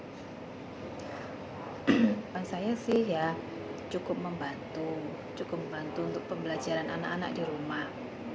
harapan saya sih ya cukup membantu cukup membantu untuk pembelajaran anak anak di rumah